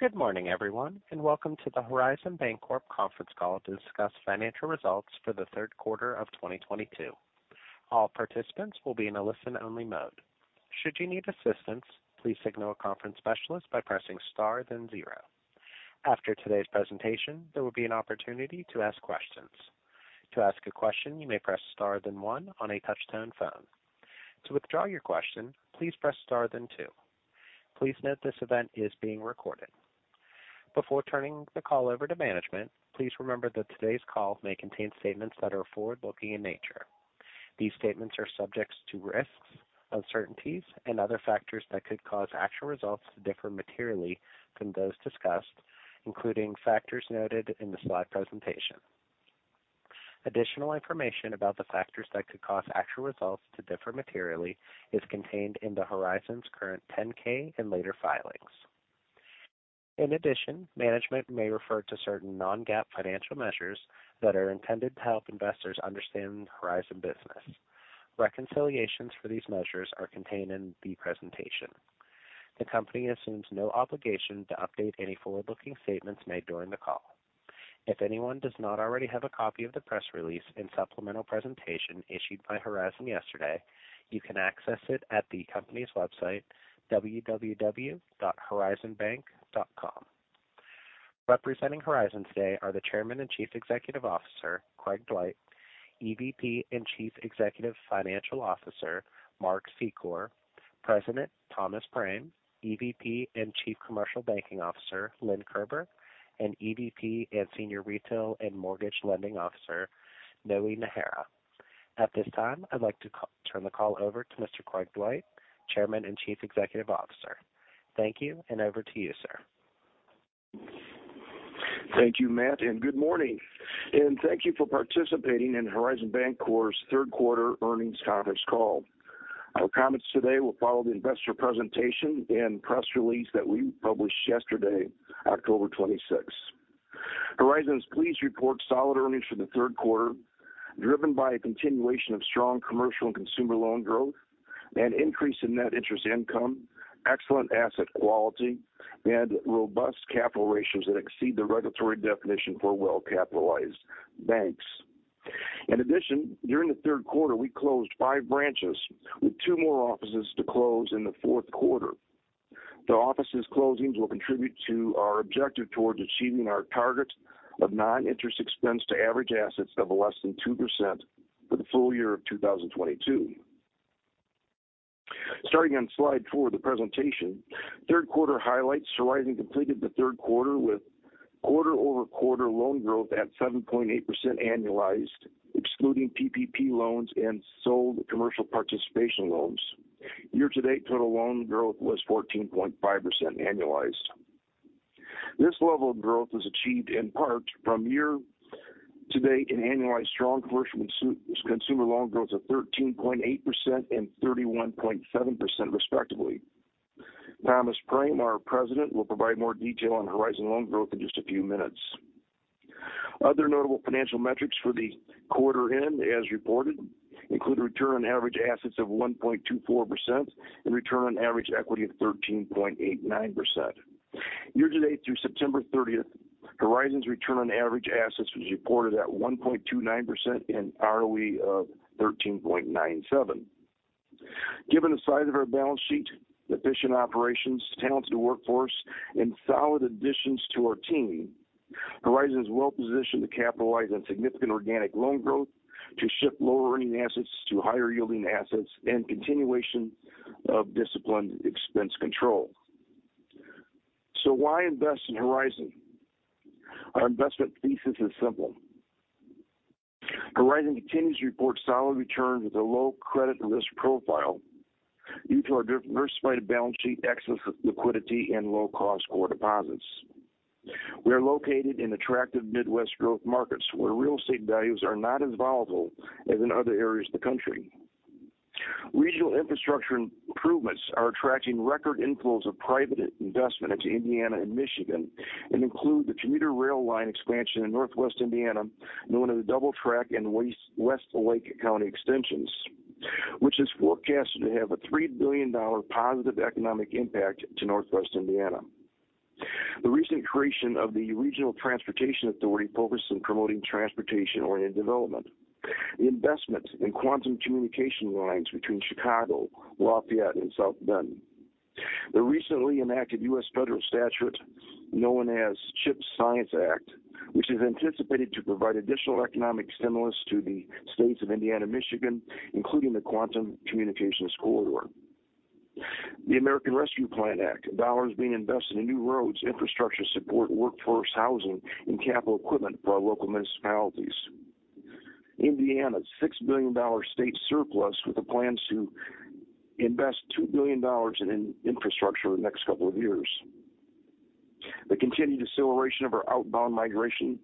Good morning, everyone, and welcome to the Horizon Bancorp conference call to discuss financial results for the third quarter of 2022. All participants will be in a listen-only mode. Should you need assistance, please signal a conference specialist by pressing star, then zero. After today's presentation, there will be an opportunity to ask questions. To ask a question, you may press star then one on a touch-tone phone. To withdraw your question, please press star then two. Please note this event is being recorded. Before turning the call over to management, please remember that today's call may contain statements that are forward-looking in nature. These statements are subject to risks, uncertainties, and other factors that could cause actual results to differ materially from those discussed, including factors noted in the slide presentation. Additional information about the factors that could cause actual results to differ materially is contained in Horizon's current 10-K and later filings. In addition, management may refer to certain non-GAAP financial measures that are intended to help investors understand Horizon's business. Reconciliations for these measures are contained in the presentation. The company assumes no obligation to update any forward-looking statements made during the call. If anyone does not already have a copy of the press release and supplemental presentation issued by Horizon yesterday, you can access it at the company's website, www.horizonbank.com. Representing Horizon today are the Chairman and Chief Executive Officer, Craig Dwight, EVP and Chief Financial Officer, Mark Secor, President, Thomas M. Prame, EVP and Chief Commercial Banking Officer, Lynn Kerber, and EVP and Senior Retail and Mortgage Lending Officer, Noe Najera. At this time, I'd like to turn the call over to Mr. Craig Dwight, Chairman and Chief Executive Officer. Thank you, and over to you, sir. Thank you, Matt, and good morning. Thank you for participating in Horizon Bancorp's third quarter earnings conference call. Our comments today will follow the investor presentation and press release that we published yesterday, October 26. Horizon's pleased to report solid earnings for the third quarter, driven by a continuation of strong commercial and consumer loan growth and increase in net interest income, excellent asset quality and robust capital ratios that exceed the regulatory definition for well-capitalized banks. In addition, during the third quarter, we closed five branches with two more offices to close in the fourth quarter. The office closings will contribute to our objective towards achieving our target of non-interest expense to average assets of less than 2% for the full year of 2022. Starting on Slide four of the presentation, third quarter highlights Horizon completed the third quarter with quarter-over-quarter loan growth at 7.8% annualized, excluding PPP loans and sold commercial participation loans. Year-to-date, total loan growth was 14.5% annualized. This level of growth is achieved in part from year-to-date annualized strong commercial and consumer loan growth of 13.8% and 31.7% respectively. Thomas Prame, our President, will provide more detail on Horizon loan growth in just a few minutes. Other notable financial metrics for the quarter-end as reported include a return on average assets of 1.24% and return on average equity of 13.89%. Year-to-date through September 30th, Horizon's return on average assets was reported at 1.29% and ROE of 13.97%. Given the size of our balance sheet, efficient operations, talented workforce and solid additions to our team, Horizon is well positioned to capitalize on significant organic loan growth to shift lower earning assets to higher yielding assets and continuation of disciplined expense control. Why invest in Horizon? Our investment thesis is simple. Horizon continues to report solid returns with a low credit risk profile due to our diversified balance sheet, excess liquidity and low cost core deposits. We are located in attractive Midwest growth markets where real estate values are not as volatile as in other areas of the country. Regional infrastructure improvements are attracting record inflows of private investment into Indiana and Michigan and include the commuter rail line expansion in Northwest Indiana, known as the Double Track and West Lake County extensions, which is forecasted to have a $3 billion positive economic impact to Northwest Indiana. The recent creation of the Regional Transportation Authority focused on promoting transportation-oriented development. The investment in quantum communication lines between Chicago, Lafayette and South Bend. The recently enacted U.S. federal statute known as CHIPS and Science Act, which is anticipated to provide additional economic stimulus to the states of Indiana, Michigan, including the Quantum Communications Corridor. The American Rescue Plan Act, dollars being invested in new roads, infrastructure support, workforce housing and capital equipment by local municipalities. Indiana's $6 billion state surplus with the plans to invest $2 billion in infrastructure in the next couple of years. The continued acceleration of our outbound migration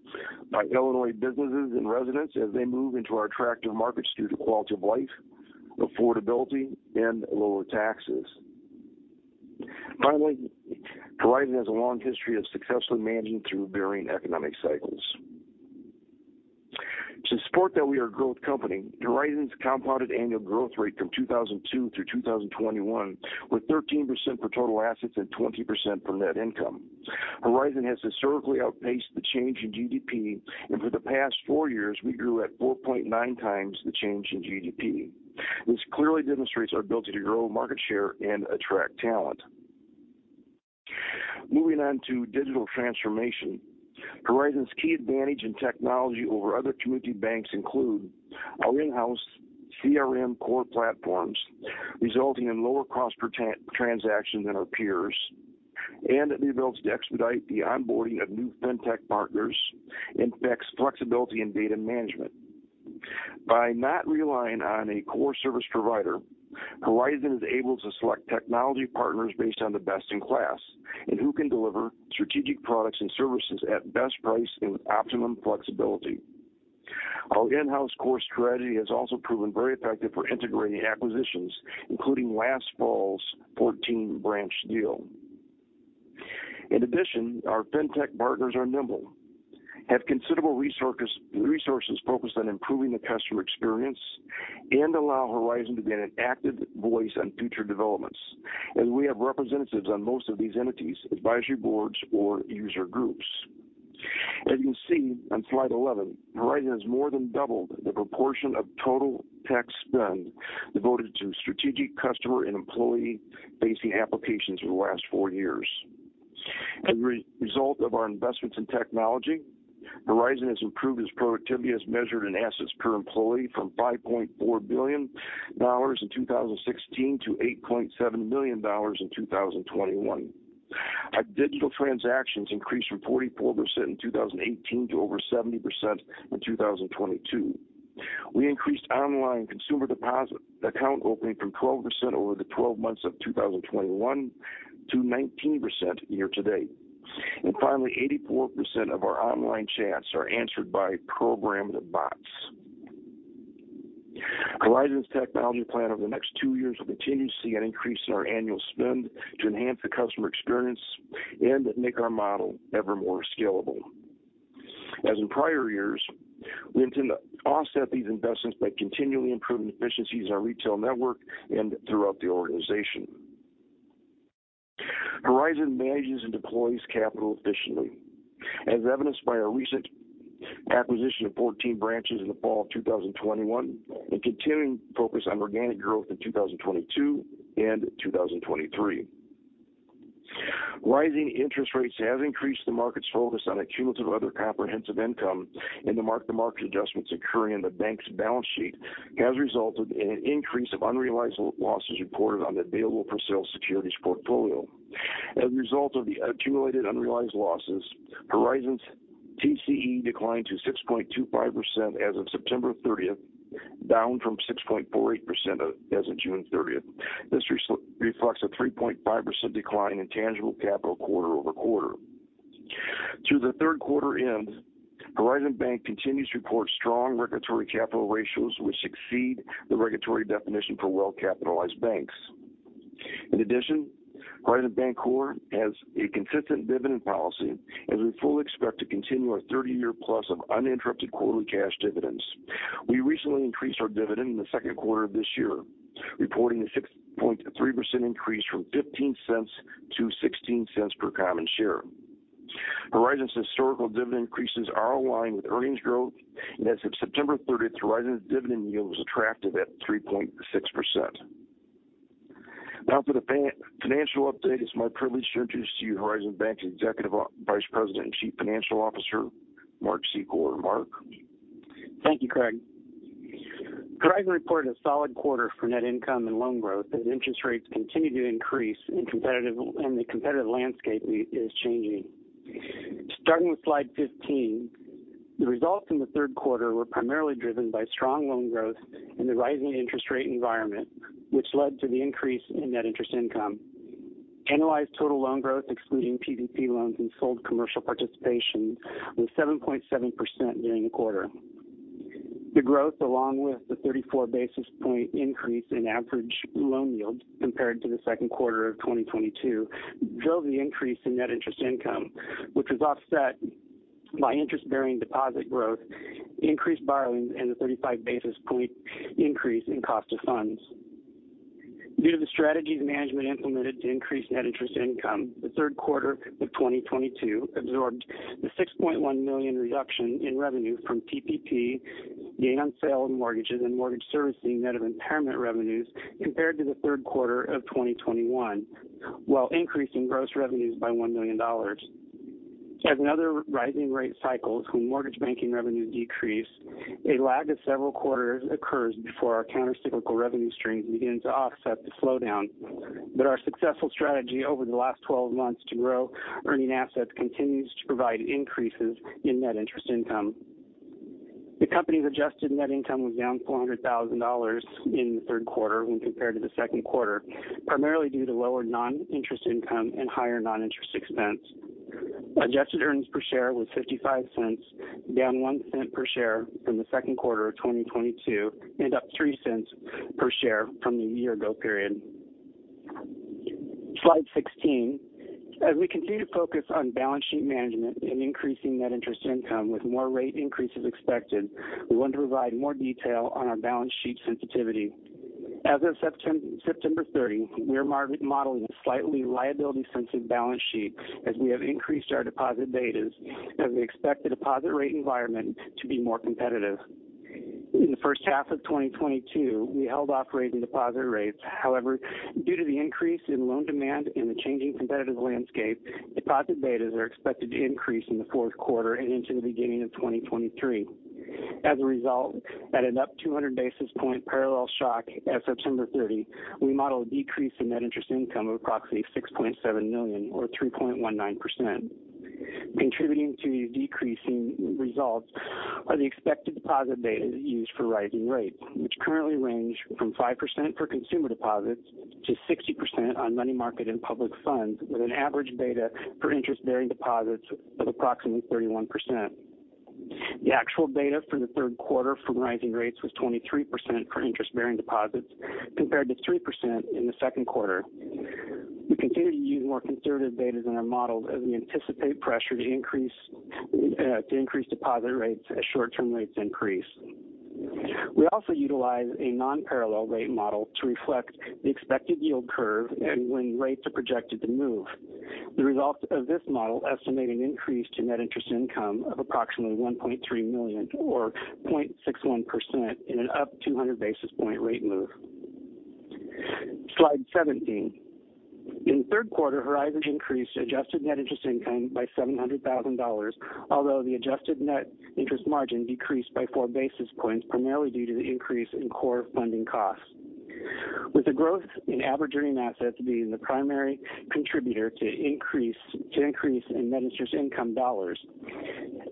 by Illinois businesses and residents as they move into our attractive markets due to quality of life, affordability and lower taxes. Finally, Horizon has a long history of successfully managing through varying economic cycles. To support that we are a growth company, Horizon's compounded annual growth rate from 2002 through 2021 were 13% for total assets and 20% for net income. Horizon has historically outpaced the change in GDP, and for the past four years, we grew at 4.9 times the change in GDP. This clearly demonstrates our ability to grow market share and attract talent. Moving on to digital transformation. Horizon's key advantage in technology over other community banks include our in-house CRM core platforms, resulting in lower cost per transaction than our peers, and the ability to expedite the onboarding of new fintech partners impacts flexibility in data management. By not relying on a core service provider, Horizon is able to select technology partners based on the best in class and who can deliver strategic products and services at best price and with optimum flexibility. Our in-house core strategy has also proven very effective for integrating acquisitions, including last fall's 14-branch deal. In addition, our fintech partners are nimble, have considerable resources focused on improving the customer experience, and allow Horizon to be an active voice on future developments, and we have representatives on most of these entities, advisory boards or user groups. As you can see on Slide 11, Horizon has more than doubled the proportion of total tech spend devoted to strategic customer and employee-facing applications over the last four years. As a result of our investments in technology, Horizon has improved its productivity as measured in assets per employee from $5.4 billion in 2016 to $8.7 million in 2021. Our digital transactions increased from 44% in 2018 to over 70% in 2022. We increased online consumer deposit account opening from 12% over the 12 months of 2021 to 19% year-to-date. Finally, 84% of our online chats are answered by programmed bots. Horizon's technology plan over the next two years will continue to see an increase in our annual spend to enhance the customer experience and make our model ever more scalable. As in prior years, we intend to offset these investments by continually improving efficiencies in our retail network and throughout the organization. Horizon manages and deploys capital efficiently. As evidenced by our recent acquisition of 14 branches in the fall of 2021, a continuing focus on organic growth in 2022 and 2023. Rising interest rates has increased the market's focus on cumulative other comprehensive income and the mark-to-market adjustments occurring in the bank's balance sheet has resulted in an increase of unrealized losses reported on the available-for-sale securities portfolio. As a result of the accumulated unrealized losses, Horizon's TCE declined to 6.25% as of September 30th, down from 6.48% as of June 30th. This reflects a 3.5% decline in tangible capital quarter-over-quarter. Through the third quarter end, Horizon Bank continues to report strong regulatory capital ratios which exceed the regulatory definition for well-capitalized banks. In addition, Horizon Bancorp has a consistent dividend policy, and we fully expect to continue our 30 year-plus of uninterrupted quarterly cash dividends. We recently increased our dividend in the second quarter of this year, reporting a 6.3% increase from $0.15-$0.16 per common share. Horizon's historical dividend increases are aligned with earnings growth, and as of September 30th, Horizon's dividend yield was attractive at 3.6%. Now for the Fed, financial update, it's my privilege to introduce to you Horizon Bank's Executive Vice President and Chief Financial Officer, Mark Secor. Mark? Thank you, Craig. Craig reported a solid quarter for net income and loan growth as interest rates continue to increase and the competitive landscape is changing. Starting with Slide 15, the results in the third quarter were primarily driven by strong loan growth in the rising interest rate environment, which led to the increase in net interest income. Annualized total loan growth, excluding PPP loans and sold commercial participation, was 7.7% during the quarter. The growth, along with the 34 basis point increase in average loan yield compared to the second quarter of 2022, drove the increase in net interest income, which was offset by interest-bearing deposit growth, increased borrowings, and the 35 basis point increase in cost of funds. Due to the strategies management implemented to increase net interest income, the third quarter of 2022 absorbed the $6.1 million reduction in revenue from PPP, gain on sale of mortgages and mortgage servicing net of impairment revenues compared to the third quarter of 2021, while increasing gross revenues by $1 million. As in other rising rate cycles when mortgage banking revenues decrease, a lag of several quarters occurs before our countercyclical revenue streams begin to offset the slowdown. Our successful strategy over the last 12 months to grow earning assets continues to provide increases in net interest income. The company's adjusted net income was down $400,000 in the third quarter when compared to the second quarter, primarily due to lower non-interest income and higher non-interest expense. Adjusted earnings per share was $0.55, down $0.01 per share from the second quarter of 2022 and up $0.03 per share from the year ago period. Slide 16, we continue to focus on balance sheet management and increasing net interest income with more rate increases expected. We want to provide more detail on our balance sheet sensitivity. As of September 30, we are modeling a slightly liability sensitive balance sheet as we have increased our deposit betas as we expect the deposit rate environment to be more competitive. In the first half of 2022, we held operating deposit rates. However, due to the increase in loan demand and the changing competitive landscape, deposit betas are expected to increase in the fourth quarter and into the beginning of 2023. As a result, at an up 200 basis point parallel shock at September 30, we model a decrease in net interest income of approximately $6.7 million or 3.19%. Contributing to these decreasing results are the expected deposit betas used for rising rates, which currently range from 5% for consumer deposits to 60% on money market and public funds, with an average beta per interest-bearing deposits of approximately 31%. The actual beta for the third quarter from rising rates was 23% for interest-bearing deposits compared to 3% in the second quarter. We continue to use more conservative betas in our models as we anticipate pressure to increase deposit rates as short-term rates increase. We also utilize a non-parallel rate model to reflect the expected yield curve and when rates are projected to move. The results of this model estimate an increase to net interest income of approximately $1.3 million or 0.61% in an up 200 basis point rate move. Slide 17. In the third quarter, Horizon increased adjusted net interest income by $700,000, although the adjusted net interest margin decreased by 4 basis points primarily due to the increase in core funding costs. With the growth in average earning assets being the primary contributor to increase in net interest income dollars.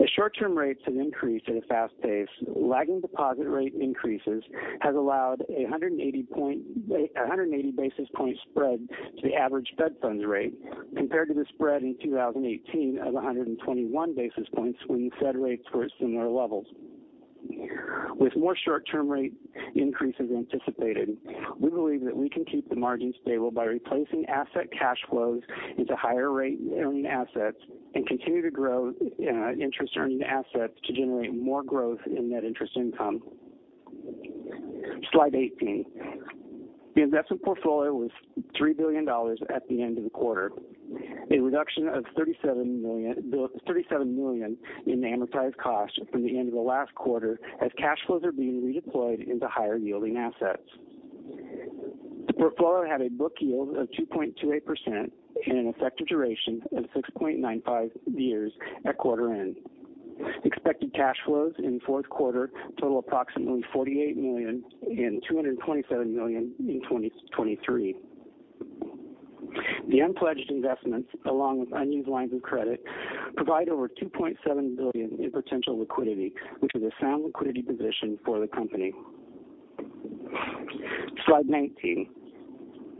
As short term rates have increased at a fast pace, lagging deposit rate increases has allowed 180 basis point spread to the average Fed funds rate compared to the spread in 2018 of 121 basis points when Fed rates were at similar levels. With more short term rate increases anticipated, we believe that we can keep the margin stable by replacing asset cash flows into higher rate earning assets and continue to grow interest earning assets to generate more growth in net interest income. Slide 18. The investment portfolio was $3 billion at the end of the quarter, a reduction of $37 million in amortized cost from the end of the last quarter as cash flows are being redeployed into higher yielding assets. The portfolio had a book yield of 2.28% and an effective duration of 6.95 years at quarter end. Expected cash flows in fourth quarter total approximately $48 million and $227 million in 2023. The unpledged investments along with unused lines of credit provide over $2.7 billion in potential liquidity, which is a sound liquidity position for the company. Slide 19.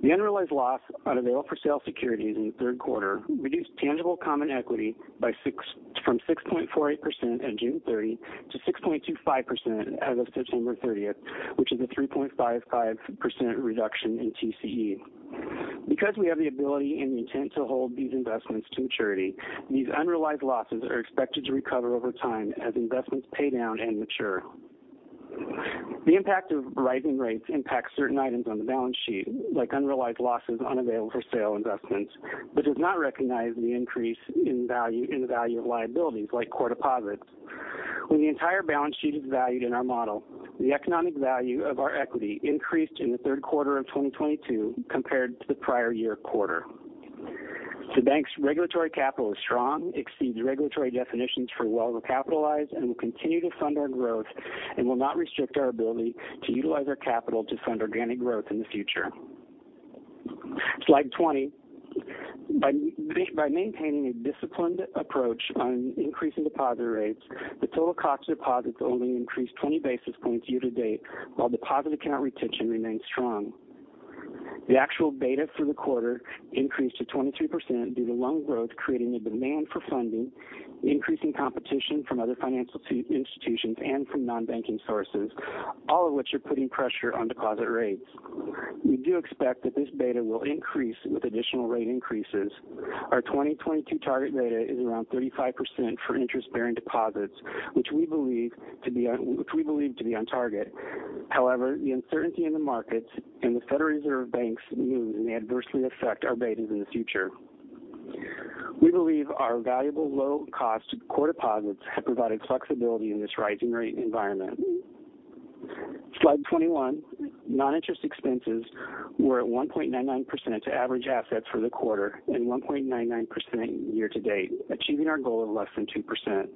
The unrealized loss on available-for-sale securities in the third quarter reduced tangible common equity from 6.48% at June 30 to 6.25% as of September 30th, which is a 3.55% reduction in TCE. Because we have the ability and the intent to hold these investments to maturity, these unrealized losses are expected to recover over time as investments pay down and mature. The impact of rising rates impacts certain items on the balance sheet, like unrealized losses on available-for-sale investments, but does not recognize the increase in value, in the value of liabilities like core deposits. When the entire balance sheet is valued in our model, the economic value of our equity increased in the third quarter of 2022 compared to the prior year quarter. The bank's regulatory capital is strong, exceeds regulatory definitions for well-capitalized, and will continue to fund our growth and will not restrict our ability to utilize our capital to fund organic growth in the future. Slide 20. By maintaining a disciplined approach on increasing deposit rates, the total cost of deposits only increased 20 basis points year to date, while deposit account retention remains strong. The actual beta for the quarter increased to 23% due to loan growth creating a demand for funding, increasing competition from other financial institutions and from non-banking sources, all of which are putting pressure on deposit rates. We do expect that this beta will increase with additional rate increases. Our 2022 target beta is around 35% for interest-bearing deposits, which we believe to be on target. However, the uncertainty in the markets and the Federal Reserve's moves may adversely affect our betas in the future. We believe our valuable low-cost core deposits have provided flexibility in this rising rate environment. Slide 21. Non-interest expenses were at 1.99% to average assets for the quarter and 1.99% year-to-date, achieving our goal of less than 2%.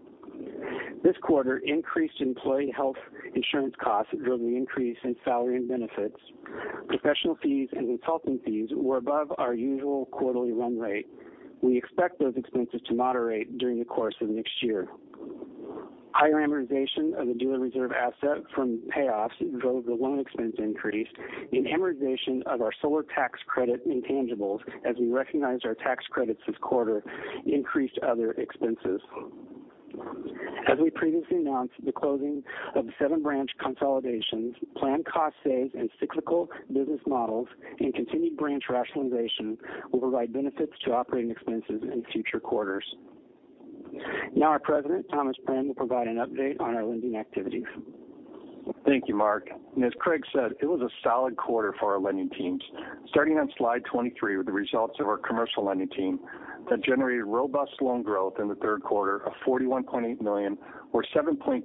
This quarter, increased employee health insurance costs drove the increase in salary and benefits. Professional fees and consulting fees were above our usual quarterly run rate. We expect those expenses to moderate during the course of next year. Higher amortization of the dealer reserve asset from payoffs drove the loan expense increase, and amortization of our solar tax credit intangibles, as we recognized our tax credits this quarter, increased other expenses. As we previously announced, the closing of the seven branch consolidations, planned cost savings and cyclical business models and continued branch rationalization will provide benefits to operating expenses in future quarters. Our President, Thomas Prame, will provide an update on our lending activities. Thank you, Mark. As Craig said, it was a solid quarter for our lending teams. Starting on Slide 23 with the results of our commercial lending team that generated robust loan growth in the third quarter of $41.8 million or 7.2%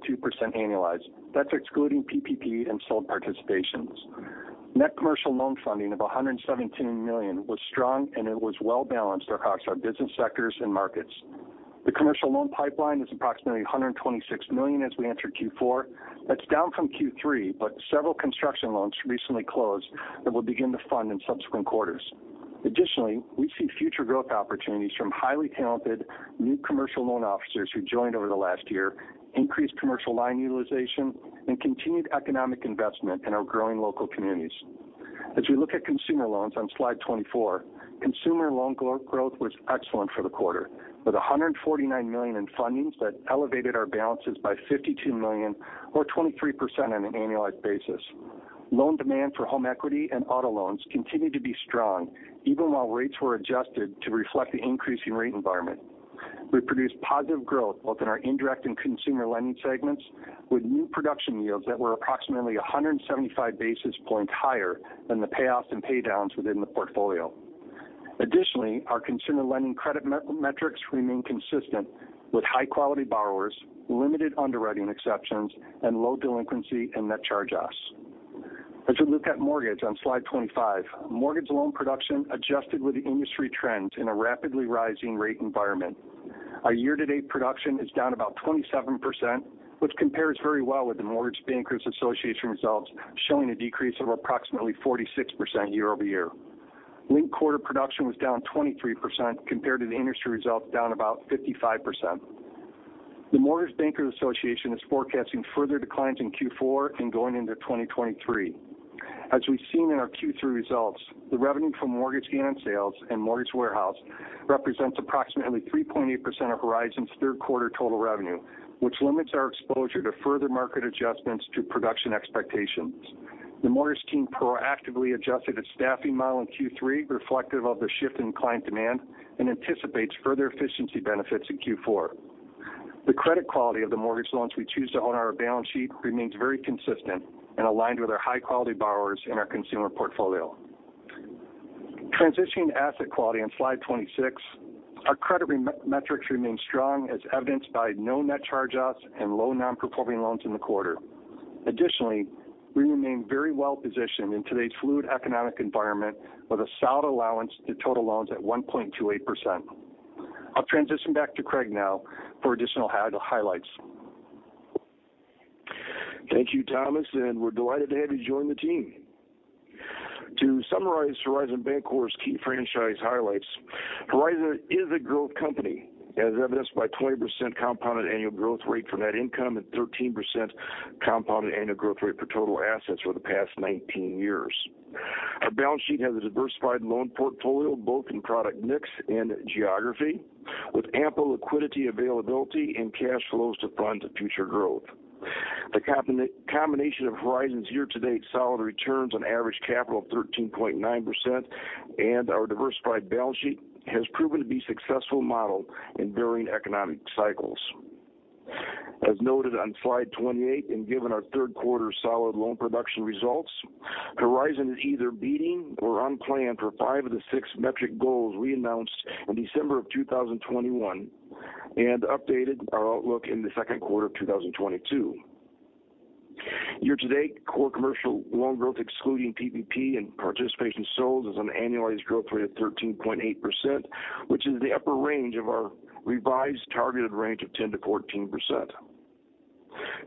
annualized. That's excluding PPP and sold participations. Net commercial loan funding of $117 million was strong, and it was well balanced across our business sectors and markets. The commercial loan pipeline is approximately $126 million as we enter Q4. That's down from Q3, but several construction loans recently closed that will begin to fund in subsequent quarters. Additionally, we see future growth opportunities from highly talented new commercial loan officers who joined over the last year, increased commercial line utilization, and continued economic investment in our growing local communities. As we look at consumer loans on Slide 24, consumer loan growth was excellent for the quarter, with $149 million in fundings that elevated our balances by $52 million or 23% on an annualized basis. Loan demand for home equity and auto loans continued to be strong even while rates were adjusted to reflect the increasing rate environment. We produced positive growth both in our indirect and consumer lending segments, with new production yields that were approximately 175 basis points higher than the payoffs and pay downs within the portfolio. Additionally, our consumer lending credit metrics remain consistent with high-quality borrowers, limited underwriting exceptions, and low delinquency and net charge-offs. As we look at mortgage on Slide 25, mortgage loan production adjusted with the industry trends in a rapidly rising rate environment. Our year-to-date production is down about 27%, which compares very well with the Mortgage Bankers Association results showing a decrease of approximately 46% year-over-year. Linked quarter production was down 23% compared to the industry results down about 55%. The Mortgage Bankers Association is forecasting further declines in Q4 and going into 2023. As we've seen in our Q3 results, the revenue from mortgage gain on sales and mortgage warehouse represents approximately 3.8% of Horizon's third quarter total revenue, which limits our exposure to further market adjustments to production expectations. The mortgage team proactively adjusted its staffing model in Q3 reflective of the shift in client demand and anticipates further efficiency benefits in Q4. The credit quality of the mortgage loans we choose to own on our balance sheet remains very consistent and aligned with our high-quality borrowers in our consumer portfolio. Transitioning to asset quality on Slide 26, our credit metrics remain strong as evidenced by no net charge-offs and low non-performing loans in the quarter. Additionally, we remain very well positioned in today's fluid economic environment with a solid allowance to total loans at 1.28%. I'll transition back to Craig now for additional highlights. Thank you, Thomas, and we're delighted to have you join the team. To summarize Horizon Bancorp's key franchise highlights, Horizon is a growth company, as evidenced by 20% compounded annual growth rate for net income and 13% compounded annual growth rate for total assets over the past 19 years. Our balance sheet has a diversified loan portfolio, both in product mix and geography, with ample liquidity availability and cash flows to fund the future growth. The combination of Horizon's year-to-date solid returns on average capital of 13.9% and our diversified balance sheet has proven to be successful model in varying economic cycles. As noted on Slide 28, and given our third quarter solid loan production results, Horizon is either beating or on plan for five of the six metric goals we announced in December of 2021 and updated our outlook in the second quarter of 2022. Year-to-date, core commercial loan growth excluding PPP and participation sold is on an annualized growth rate of 13.8%, which is the upper range of our revised targeted range of 10%-14%.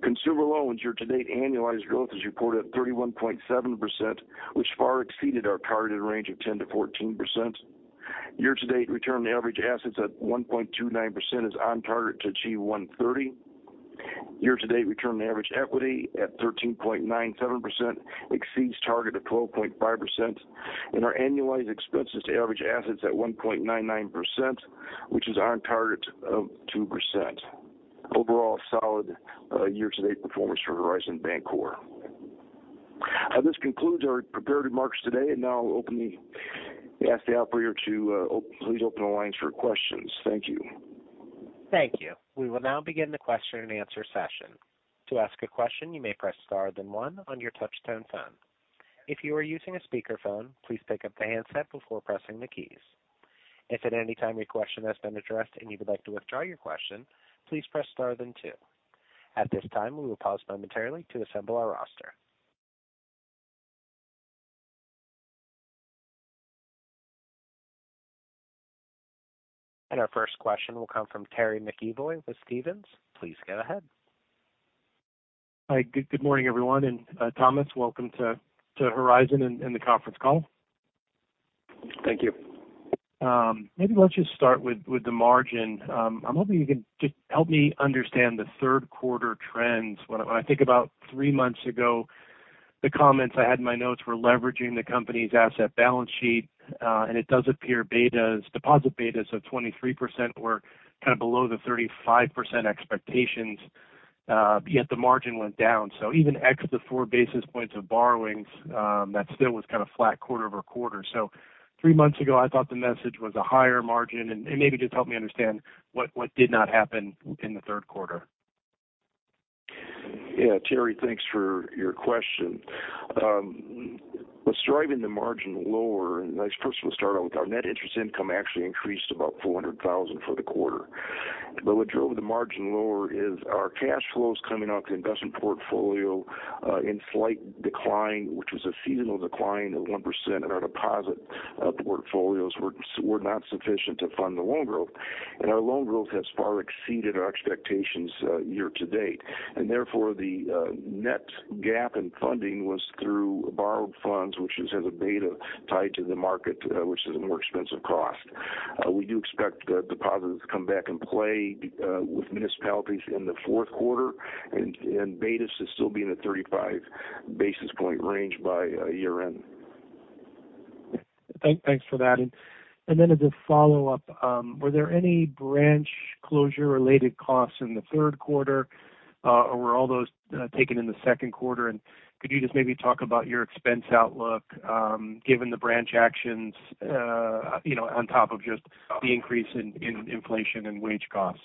Consumer loans year-to-date annualized growth is reported at 31.7%, which far exceeded our targeted range of 10%-14%. Year-to-date return on average assets at 1.29% is on target to achieve 1.30%. Year-to-date return on average equity at 13.97% exceeds target of 12.5%. Our annualized expenses to average assets at 1.99%, which is on target of 2%. Overall solid year-to-date performance for Horizon Bancorp. This concludes our prepared remarks today, and now I'll ask the operator to please open the lines for questions. Thank you. Thank you. We will now begin the question-and-answer session. To ask a question, you may press star then one on your touch-tone phone. If you are using a speakerphone, please pick up the handset before pressing the keys. If at any time your question has been addressed and you would like to withdraw your question, please press star then two. At this time, we will pause momentarily to assemble our roster. Our first question will come from Terry McEvoy with Stephens. Please go ahead. Hi. Good morning, everyone. Thomas, welcome to Horizon and the conference call. Thank you. Maybe let's just start with the margin. I'm hoping you can just help me understand the third quarter trends. When I think about three months ago, the comments I had in my notes were leveraging the company's asset balance sheet. It does appear betas, deposit betas of 23% were kind of below the 35% expectations, yet the margin went down. Even ex the 4 basis points of borrowings, that still was kind of flat quarter-over-quarter. Three months ago, I thought the message was a higher margin. Maybe just help me understand what did not happen in the third quarter. Yeah, Terry, thanks for your question. What's driving the margin lower, and I first want to start out with our net interest income actually increased about $400,000 for the quarter. What drove the margin lower is our cash flows coming off the investment portfolio in slight decline, which was a seasonal decline of 1%. Our deposit portfolios were not sufficient to fund the loan growth. Our loan growth has far exceeded our expectations year-to-date. Therefore, the net gap in funding was through borrowed funds, which has had a beta tied to the market, which is a more expensive cost. We do expect the deposits to come back in play with municipalities in the fourth quarter and betas to still be in the 35 basis point range by year-end. Thanks for that. As a follow-up, were there any branch closure related costs in the third quarter? Or were all those taken in the second quarter? Could you just maybe talk about your expense outlook, given the branch actions, you know, on top of just the increase in inflation and wage costs?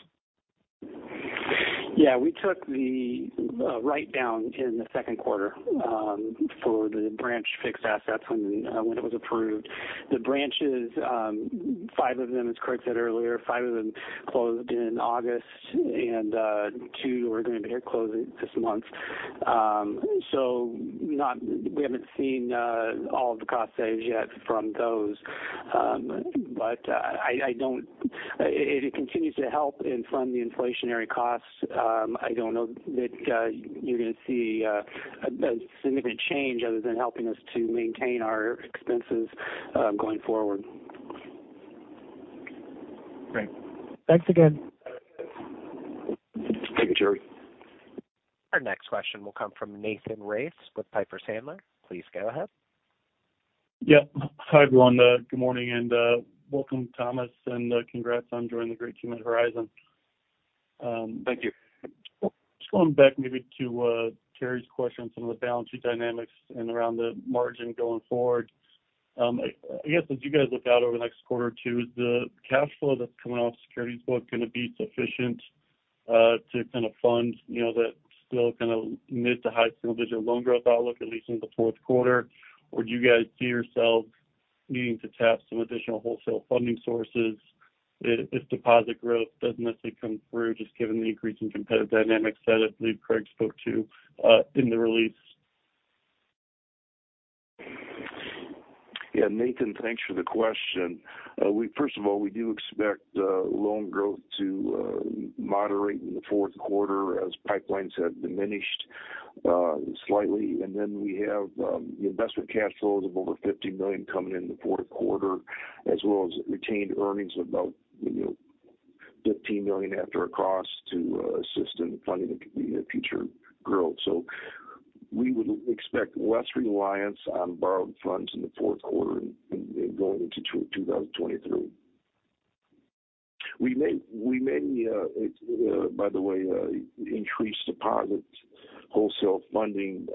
Yeah, we took the write-down in the second quarter for the branch fixed assets when it was approved. The branches, five of them, as Craig said earlier, five of them closed in August and two are going to be closing this month. We haven't seen all of the cost savings yet from those. If it continues to help and from the inflationary costs, I don't know that you're going to see a significant change other than helping us to maintain our expenses going forward. Great. Thanks again. Thank you, Terry. Our next question will come from Nathan Race with Piper Sandler. Please go ahead. Yeah. Hi, everyone. Good morning and welcome, Thomas, and congrats on joining the great team at Horizon. Thank you. Just going back maybe to Terry's question, some of the balance sheet dynamics and around the margin going forward. I guess as you guys look out over the next quarter or two, is the cash flow that's coming off the securities book going to be sufficient to kind of fund, you know, that still kind of mid- to high-single-digit loan growth outlook, at least in the fourth quarter? Or do you guys see yourselves needing to tap some additional wholesale funding sources if deposit growth doesn't necessarily come through, just given the increasing competitive dynamics that I believe Craig spoke to in the release? Yeah, Nathan, thanks for the question. We first of all do expect loan growth to moderate in the fourth quarter as pipelines have diminished slightly. Then we have the investment cash flows of over $50 million coming in the fourth quarter, as well as retained earnings of about, you know, $15 million after our costs to assist in funding the future growth. We would expect less reliance on borrowed funds in the fourth quarter and going into 2023. We may by the way increase deposit wholesale funding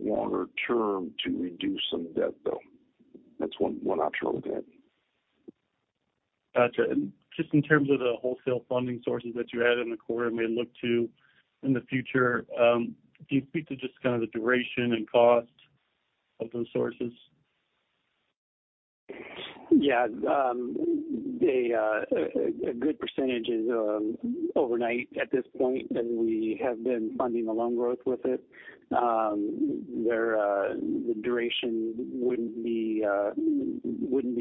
longer term to reduce some debt, though. That's one option we're looking at. Got you. Just in terms of the wholesale funding sources that you had in the quarter may look to in the future, can you speak to just kind of the duration and cost of those sources? Yeah. A good percentage is overnight at this point as we have been funding the loan growth with it. The duration wouldn't be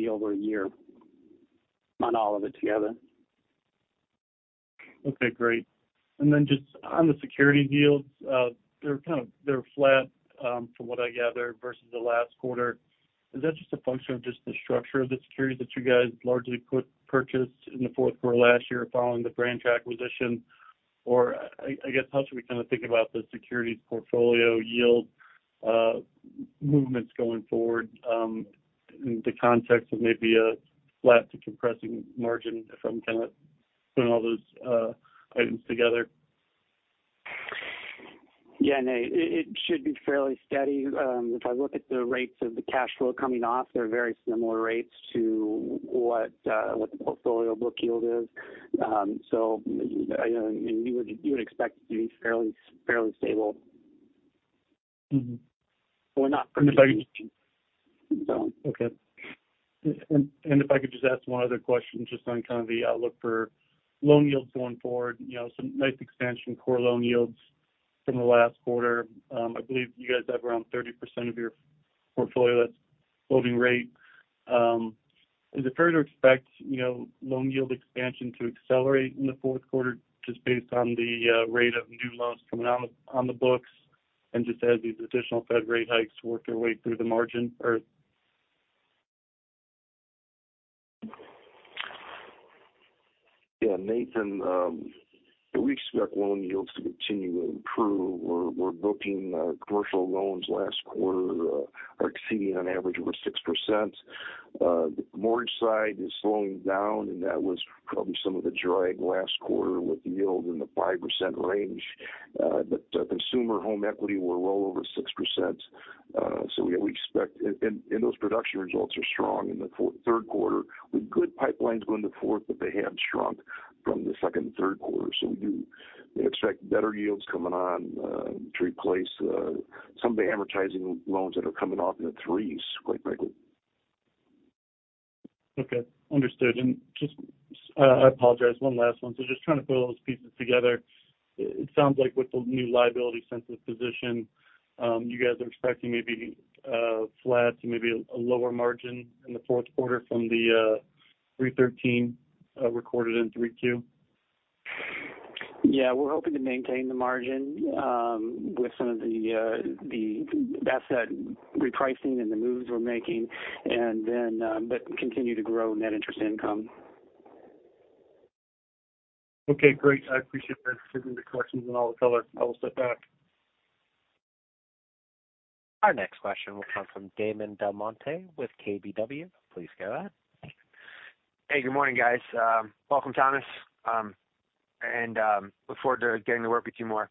over a year on all of it together. Okay, great. Just on the securities yields, they're kind of flat, from what I gather, versus the last quarter. Is that just a function of just the structure of the securities that you guys largely purchased in the fourth quarter last year following the branch acquisition? Or, I guess, how should we kind of think about the securities portfolio yield movements going forward in the context of maybe a flat to compressing margin, if I'm kind of putting all those items together? Yeah, Nathan, it should be fairly steady. If I look at the rates of the cash flow coming off, they're very similar rates to what the portfolio book yield is. You know, you would expect it to be fairly stable. Mm-hmm. We're not- If I could just. No. If I could just ask one other question just on kind of the outlook for loan yields going forward. You know, some nice expansion core loan yields from the last quarter. I believe you guys have around 30% of your portfolio that's floating rate. Is it fair to expect, you know, loan yield expansion to accelerate in the fourth quarter just based on the rate of new loans coming on the books and just as these additional Fed rate hikes work their way through the margin or? Yeah, Nathan, we expect loan yields to continue to improve. We're booking commercial loans last quarter are exceeding on average over 6%. The mortgage side is slowing down, and that was probably some of the drag last quarter with the yield in the 5% range. But consumer home equity were well over 6%. So we expect and those production results are strong in the third quarter with good pipelines going into fourth, but they have shrunk from the second and third quarter. We do expect better yields coming on to replace some of the amortizing loans that are coming off in the three's quite quickly. Okay. Understood. Just, I apologize, one last one. Just trying to pull those pieces together. It sounds like with the new liability sensitive position, you guys are expecting maybe flat to maybe a lower margin in the fourth quarter from the 3.13% recorded in 3Q. Yeah. We're hoping to maintain the margin with some of the asset repricing and the moves we're making and then continue to grow net interest income. Okay, great. I appreciate that. Given the questions and all the color, I will step back. Our next question will come from Damon DelMonte with KBW. Please go ahead. Hey, good morning, guys. Welcome, Thomas. Look forward to getting to work with you more.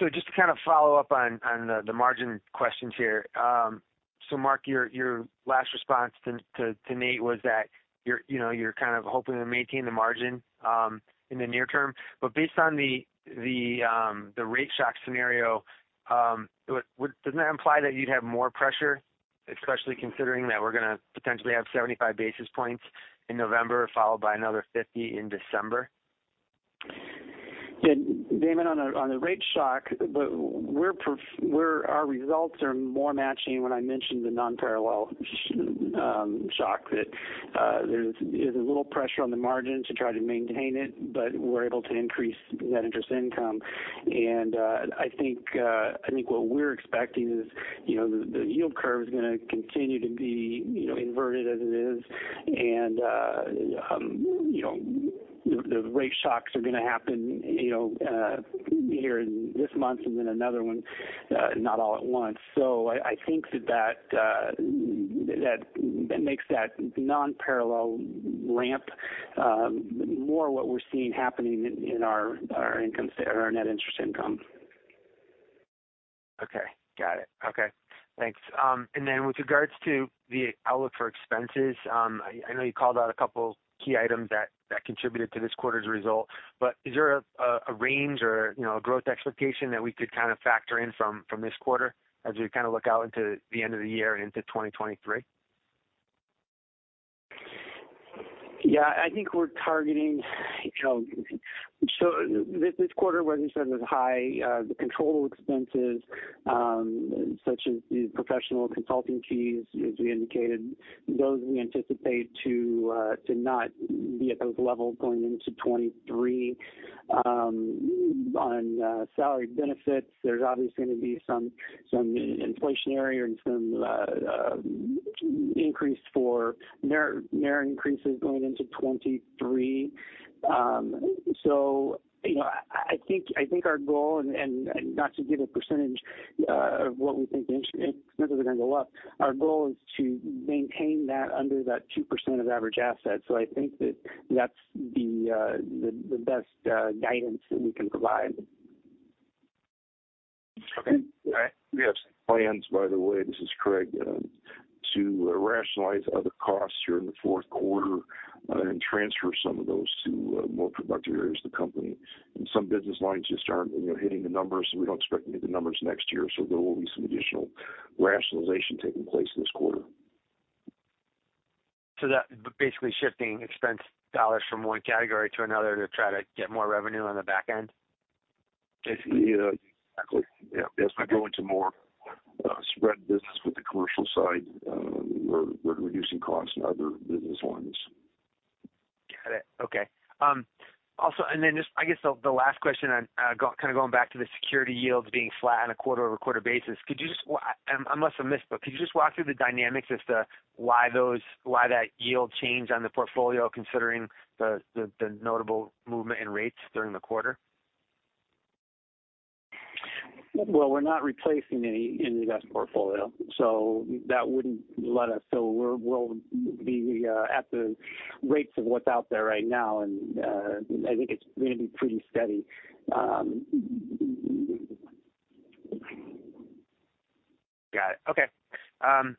Just to kind of follow-up on the margin questions here. Mark, your last response to Nate was that you're, you know, kind of hoping to maintain the margin in the near term. Based on the rate shock scenario, doesn't that imply that you'd have more pressure, especially considering that we're gonna potentially have 75 basis points in November, followed by another 50 basis point in December? Yeah. Damon, on a rate shock, our results are more matching when I mentioned the non-parallel shock that there's a little pressure on the margin to try to maintain it, but we're able to increase net interest income. I think what we're expecting is, you know, the yield curve is gonna continue to be, you know, inverted as it is. You know, the rate shocks are gonna happen, you know, here in this month and then another one, not all at once. I think that makes that non-parallel ramp more what we're seeing happening in our net interest income. Okay. Got it. Okay. Thanks. With regards to the outlook for expenses, I know you called out a couple key items that contributed to this quarter's result. Is there a range or, you know, a growth expectation that we could kind of factor in from this quarter as we kind of look out into the end of the year and into 2023? Yeah. I think we're targeting, you know. This quarter wasn't sort of high. The controllable expenses, such as the professional consulting fees, as we indicated, those we anticipate to not be at those levels going into 2023. On salary benefits, there's obviously going to be some inflationary and some increase for merit increases going into 2023. You know, I think our goal and not to give a percentage of what we think noninterest expenses are going to go up. Our goal is to maintain that under that 2% of average assets. I think that's the best guidance that we can provide. Okay. We have some plans, by the way, this is Craig, to rationalize other costs here in the fourth quarter, and transfer some of those to more productive areas of the company. Some business lines just aren't, you know, hitting the numbers. We don't expect to meet the numbers next year, so there will be some additional rationalization taking place this quarter. that basically shifting expense dollars from one category to another to try to get more revenue on the back end? Basically, yeah, exactly. Yeah. As we go into more spread business with the commercial side, we're reducing costs in other business lines. Got it. Okay. Just, I guess, the last question on kind of going back to the security yields being flat on a quarter-over-quarter basis. Could you just walk through the dynamics as to why that yield change on the portfolio considering the notable movement in rates during the quarter? Well, we're not replacing any in the investment portfolio, so that wouldn't let us. We'll be at the rates of what's out there right now. I think it's going to be pretty steady. Got it. Okay.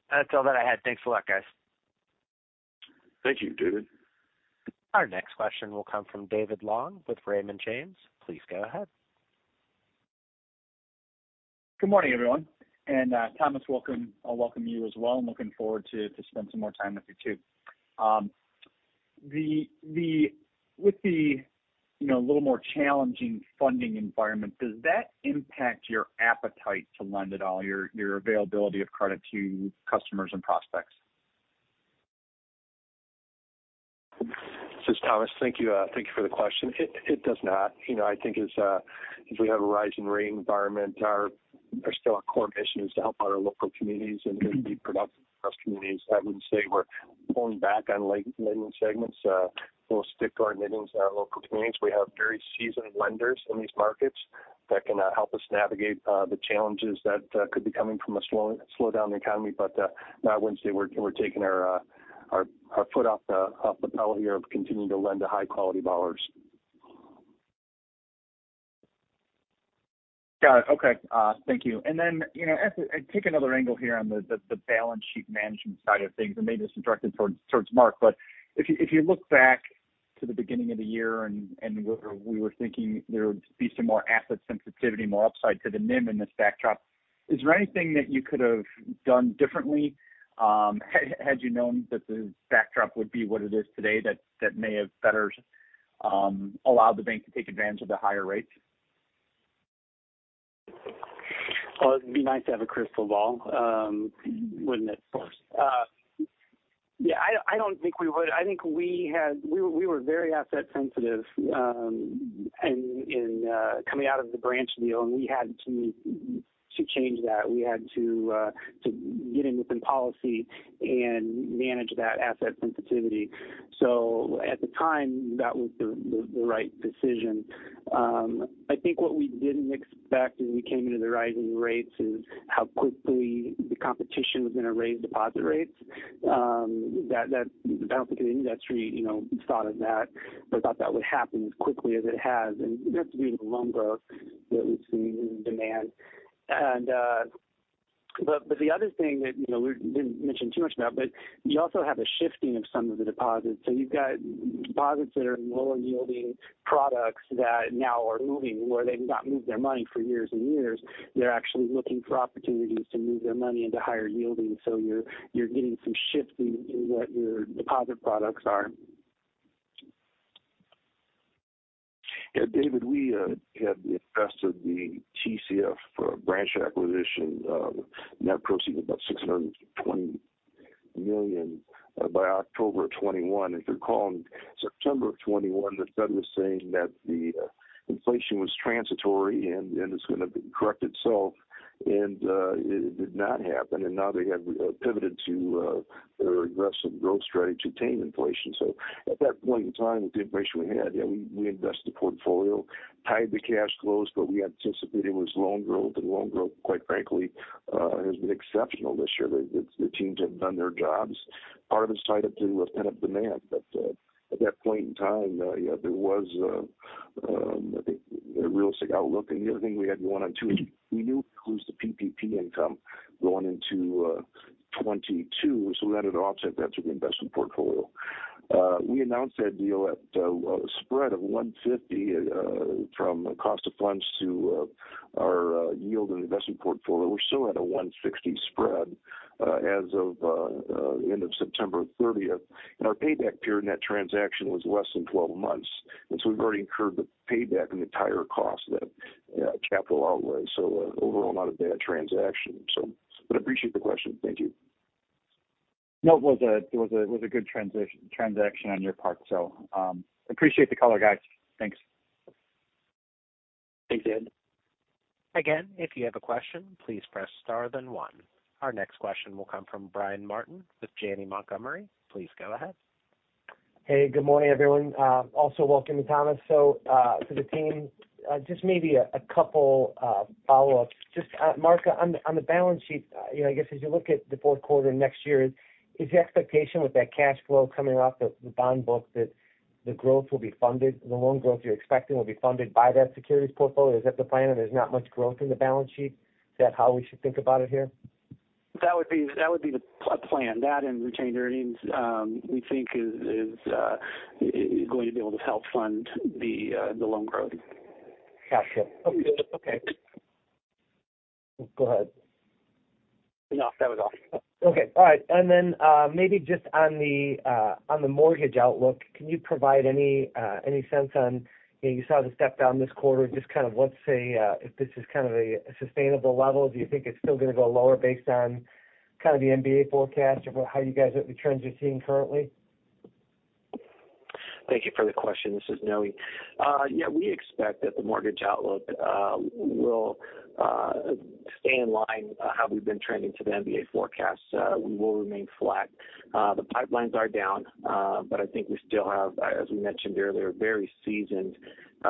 That's all that I had. Thanks a lot, guys. Thank you, Damon. Our next question will come from David Long with Raymond James. Please go ahead. Good morning, everyone. Thomas, welcome. I'll welcome you as well. I'm looking forward to spend some more time with you, too. With the little more challenging funding environment, does that impact your appetite to lend at all, your availability of credit to customers and prospects? This is Thomas. Thank you. Thank you for the question. It does not. You know, I think as if we have a rising rate environment, still our core mission is to help out our local communities and be productive across communities. I wouldn't say we're pulling back on lending segments. We'll stick to our lendings in our local communities. We have very seasoned lenders in these markets. That can help us navigate the challenges that could be coming from a slowdown in the economy, but we're not. We're taking our foot off the pedal here of continuing to lend to high quality borrowers. Got it. Okay. Thank you. Then, you know, let's take another angle here on the balance sheet management side of things, and maybe this is directed towards Mark. If you look back to the beginning of the year and we were thinking there would be some more asset sensitivity, more upside to the NIM in this backdrop. Is there anything that you could have done differently, had you known that the backdrop would be what it is today that may have better allowed the bank to take advantage of the higher rates? Well, it'd be nice to have a crystal ball, wouldn't it? Of course. Yeah, I don't think we would. I think we had we were very asset sensitive, and in coming out of the branch deal, and we had to change that. We had to get in within policy and manage that asset sensitivity. At the time, that was the right decision. I think what we didn't expect as we came into the rising rates is how quickly the competition was going to raise deposit rates. I don't think any industry, you know, thought of that or thought that would happen as quickly as it has. You have to be in the loan growth that we've seen in demand. The other thing that, you know, we didn't mention too much about, but you also have a shifting of some of the deposits. You've got deposits that are lower yielding products that now are moving, where they've not moved their money for years and years. They're actually looking for opportunities to move their money into higher yielding. You're getting some shifts in what your deposit products are. Yeah, David, we had invested the TCF for branch acquisition, net proceeds about $620 million by October of 2021. If you recall, in September of 2021, the Fed was saying that the inflation was transitory and it's gonna correct itself. It did not happen. Now they have pivoted to an aggressive growth strategy to tame inflation. At that point in time, with the information we had, we invested the portfolio, tied the cash flows. We anticipated it was loan growth. Loan growth, quite frankly, has been exceptional this year. The teams have done their jobs. Part of it's tied up to a pent-up demand. At that point in time, yeah, there was, I think the real estate outlook. The other thing we had going on too, we knew it was the PPP income going into 2022, so we had to offset that through the investment portfolio. We announced that deal at a spread of 150 from a cost of funds to our yield and investment portfolio. We're still at a 160 spread as of the end of September 30th. Our payback period in that transaction was less than 12 months. We've already incurred the payback and the entire cost of that capital outlay. Overall, not a bad transaction. But appreciate the question. Thank you. No, it was a good transaction on your part. Appreciate the color, guys. Thanks. Thanks, David. Again, if you have a question, please press star then one. Our next question will come from Brian Martin with Janney Montgomery. Please go ahead. Hey, good morning, everyone. Also welcome to Thomas. To the team, just maybe a couple follow-ups. Just, Mark, on the balance sheet, you know, I guess as you look at the fourth quarter next year, is the expectation with that cash flow coming off the bond book that the growth will be funded, the loan growth you're expecting will be funded by that securities portfolio? Is that the plan and there's not much growth in the balance sheet? Is that how we should think about it here? That would be the PPP plan. That and retained earnings, we think is going to be able to help fund the loan growth. Got you. Okay. Go ahead. No, that was all. Okay. All right. Maybe just on the mortgage outlook, can you provide any sense on, you know, you saw the step down this quarter, just kind of what's the if this is kind of a sustainable level? Do you think it's still gonna go lower based on kind of the MBA forecast or the trends you're seeing currently? Thank you for the question. This is Noe. Yeah, we expect that the mortgage outlook will stay in line how we've been trending to the MBA forecast. We will remain flat. The pipelines are down, but I think we still have, as we mentioned earlier, very seasoned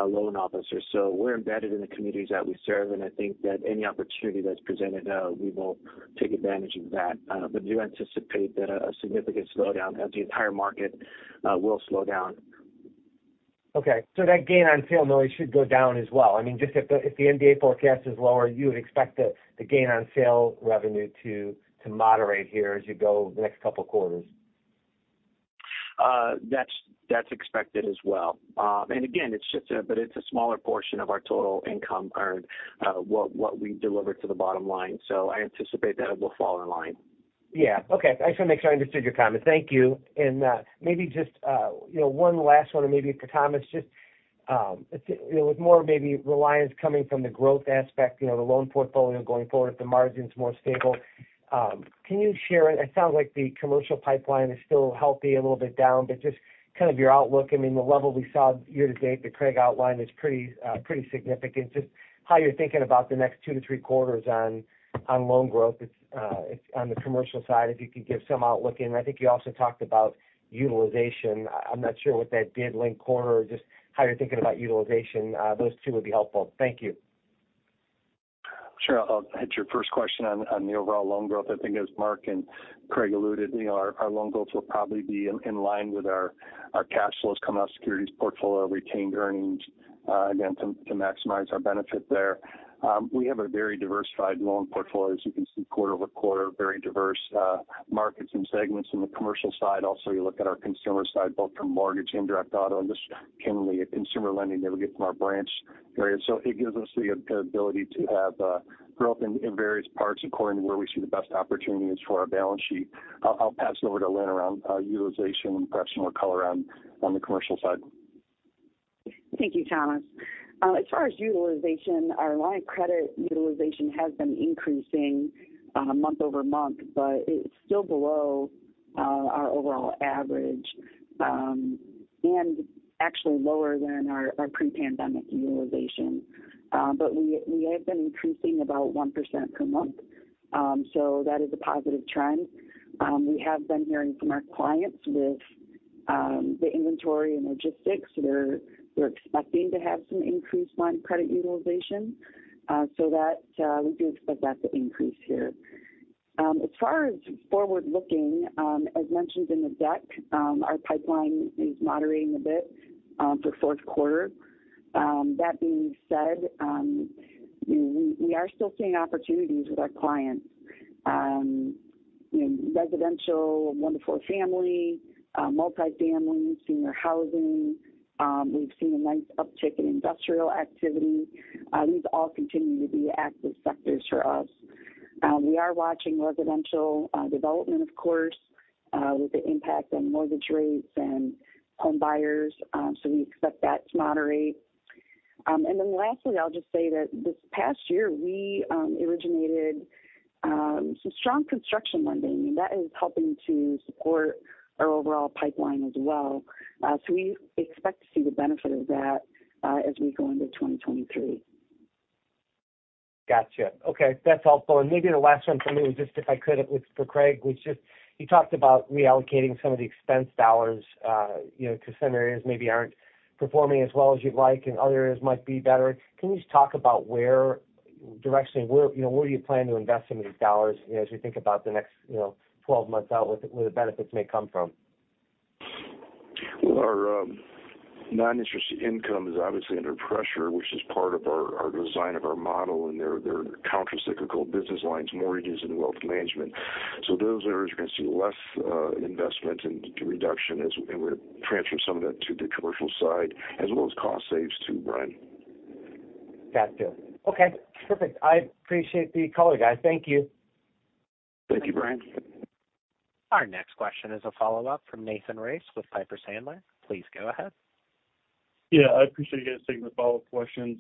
loan officers. We're embedded in the communities that we serve, and I think that any opportunity that's presented, we will take advantage of that. But we do anticipate that a significant slowdown as the entire market will slow down. Okay. That gain on sale, Noe, should go down as well. I mean, just if the MBA forecast is lower, you would expect the gain on sale revenue to moderate here as you go the next couple quarters. That's expected as well. Again, it's just but it's a smaller portion of our total income earned, what we deliver to the bottom line. I anticipate that it will fall in line. Yeah. Okay. I just wanna make sure I understood your comment. Thank you. Maybe just, you know, one last one and maybe for Thomas. Just, it's, you know, with more maybe reliance coming from the growth aspect, you know, the loan portfolio going forward, the margins more stable. Can you share, it sounds like the commercial pipeline is still healthy, a little bit down, but just kind of your outlook. I mean, the level we saw year to date that Craig outlined is pretty significant. Just how you're thinking about the next two to three quarters on loan growth, it's on the commercial side, if you could give some outlook. I think you also talked about utilization. I'm not sure what that did last quarter or just how you're thinking about utilization. Those two would be helpful. Thank you. Sure. I'll hit your first question on the overall loan growth. I think as Mark and Craig alluded, our loan growth will probably be in line with our cash flows coming off securities portfolio, retained earnings, again, to maximize our benefit there. We have a very diversified loan portfolio. As you can see quarter-over-quarter, very diverse markets and segments in the commercial side. Also, you look at our consumer side, both from mortgage, indirect auto, and just generally consumer lending that we get from our branch areas. It gives us the ability to have growth in various parts according to where we see the best opportunities for our balance sheet. I'll pass it over to Lynn around utilization and perhaps she'll color on the commercial side. Thank you, Thomas. As far as utilization, our line of credit utilization has been increasing month-over-month, but it's still below our overall average, and actually lower than our pre-pandemic utilization. We have been increasing about 1% per month. That is a positive trend. We have been hearing from our clients with the inventory and logistics. We're expecting to have some increased line credit utilization. We do expect that to increase here. As far as forward looking, as mentioned in the deck, our pipeline is moderating a bit for fourth quarter. That being said, we are still seeing opportunities with our clients in residential, one to four family, multifamily, senior housing. We've seen a nice uptick in industrial activity. These all continue to be active sectors for us. We are watching residential development, of course, with the impact on mortgage rates and home buyers. We expect that to moderate. Then lastly, I'll just say that this past year, we originated some strong construction lending, and that is helping to support our overall pipeline as well. We expect to see the benefit of that as we go into 2023. Gotcha. Okay. Maybe the last one for me was just if I could for Craig, you talked about reallocating some of the expense dollars, you know, to some areas maybe aren't performing as well as you'd like and other areas might be better. Can you just talk about directionally where, you know, where do you plan to invest some of these dollars as we think about the next, you know, 12 months out with where the benefits may come from? Well, our non-interest income is obviously under pressure, which is part of our design of our model, and they're countercyclical business lines, mortgages and wealth management. Those areas you're gonna see less investment and reduction, and we're transferring some of that to the commercial side as well as cost saves too, Brian. Gotcha. Okay, perfect. I appreciate the color, guys. Thank you. Thank you, Brian. Our next question is a follow-up from Nathan Race with Piper Sandler. Please go ahead. Yeah, I appreciate you guys taking the follow-up questions.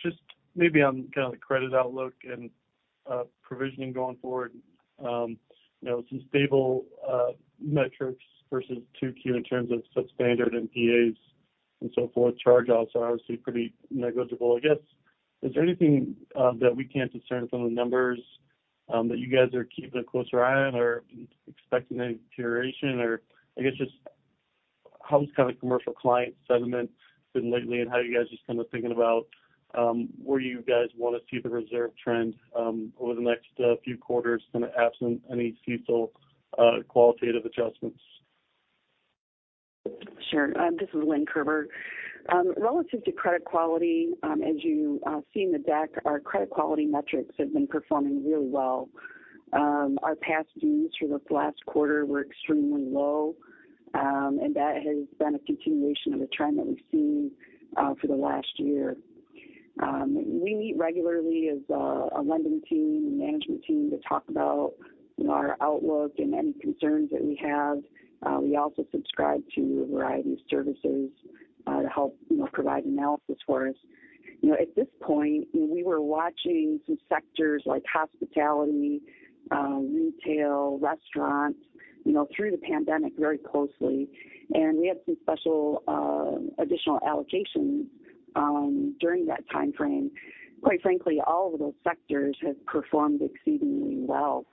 Just maybe on kind of the credit outlook and provisioning going forward. You know, some stable metrics versus 2Q in terms of substandard NPAs and so forth. Charge-offs are obviously pretty negligible. I guess, is there anything that we can't discern from the numbers that you guys are keeping a closer eye on or expecting any deterioration? Or I guess just how has kind of commercial client sentiment been lately, and how are you guys just kind of thinking about where you guys wanna see the reserve trend over the next few quarters kind of absent any CECL qualitative adjustments? Sure. This is Lynn Kerber. Relative to credit quality, as you see in the deck, our credit quality metrics have been performing really well. Our past dues through the last quarter were extremely low, and that has been a continuation of a trend that we've seen for the last year. We meet regularly as a lending team and management team to talk about, you know, our outlook and any concerns that we have. We also subscribe to a variety of services to help, you know, provide analysis for us. You know, at this point, we were watching some sectors like hospitality, retail, restaurants, you know, through the pandemic very closely, and we had some special additional allocations during that timeframe. Quite frankly, all of those sectors have performed exceedingly well.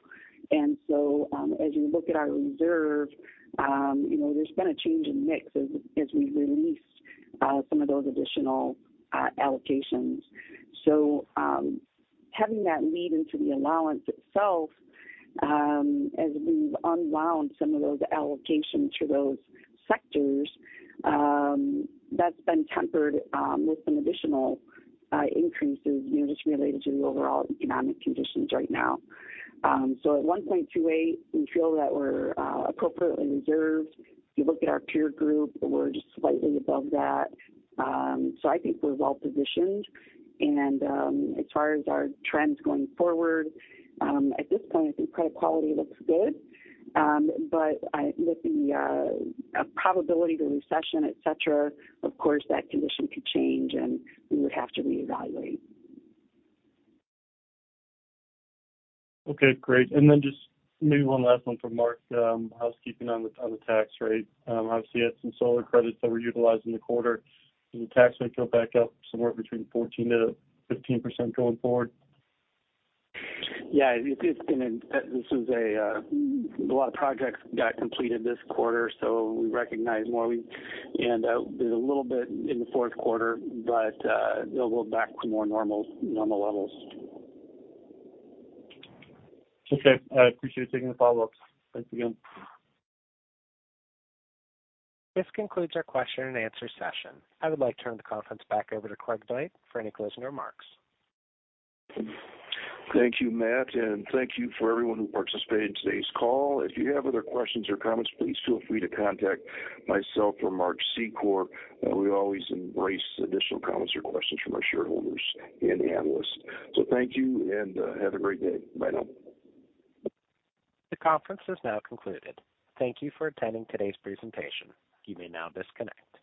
As you look at our reserve, you know, there's been a change in mix as we release some of those additional allocations. Having that lead into the allowance itself, as we've unwound some of those allocations to those sectors, that's been tempered with some additional increases, you know, just related to the overall economic conditions right now. At 1.28%, we feel that we're appropriately reserved. If you look at our peer group, we're just slightly above that. I think we're well-positioned. As far as our trends going forward, at this point, I think credit quality looks good. But probability of a recession, et cetera, of course, that condition could change, and we would have to reevaluate. Okay, great. Just maybe one last one for Mark, housekeeping on the tax rate. Obviously you had some solar credits that were utilized in the quarter. Is the tax rate go back up somewhere between 14%-15% going forward? Yeah. It's been a. This is a lot of projects got completed this quarter, so we recognize more. There's a little bit in the fourth quarter, but it'll go back to more normal levels. Okay. I appreciate you taking the follow-ups. Thanks again. This concludes our question-and-answer session. I would like to turn the conference back over to Craig Dwight for any closing remarks. Thank you, Matt, and thank you for everyone who participated in today's call. If you have other questions or comments, please feel free to contact myself or Mark Secor. We always embrace additional comments or questions from our shareholders and analysts. Thank you, and have a great day. Bye now. The conference is now concluded. Thank you for attending today's presentation. You may now disconnect.